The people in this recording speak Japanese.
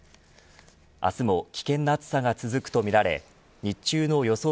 明日も危険な暑さが続くとみられ日中の予想